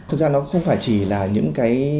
thực ra nó không phải chỉ là những cái